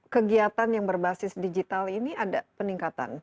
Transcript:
kegiatan yang berbasis digital ini ada peningkatan